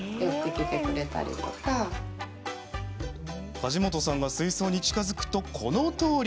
梶本さんが水槽に近づくとこのとおり。